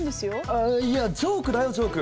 ああいやジョークだよジョーク。